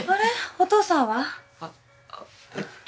お父さんは？あっえっと。